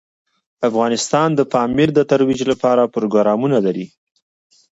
افغانستان د پامیر د ترویج لپاره پروګرامونه لري.